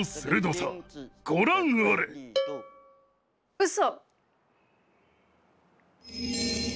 うそ。